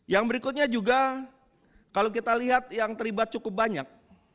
yang berikutnya juga kalau kita lihat yang terlibat cukup banyak